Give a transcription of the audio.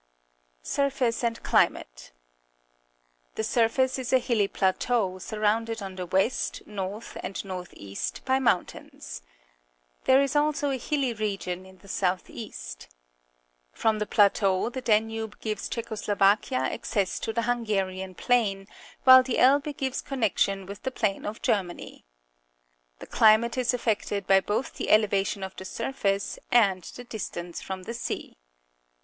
Surface and Climate. — The surface is a liilly plateau, surrounded on the west, north, and north east by mountains. There is also a hilly region in the south east. From the plateau the Danube gives Czecho Slovakia access to the Hungarian plain, while the Elbe gives connection with the plain of Germany. The climate is affected by both the elevation of the surface and the distance from the sea.